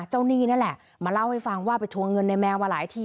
หนี้นั่นแหละมาเล่าให้ฟังว่าไปทวงเงินในแมวมาหลายที